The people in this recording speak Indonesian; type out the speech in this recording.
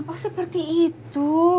oh seperti itu